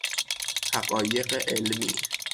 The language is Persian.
حقایق علمی